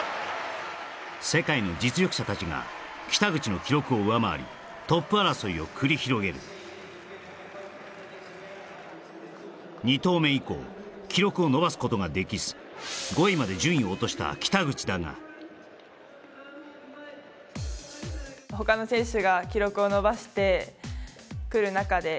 世界の実力者達が北口の記録を上回りトップ争いを繰り広げる二投目以降記録を伸ばすことができず５位まで順位を落とした北口だがまあそして迎えた手拍子！